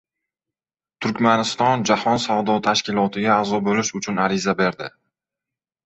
Turkmaniston Jahon savdo tashkilotiga a’zo bo‘lish uchun ariza berdi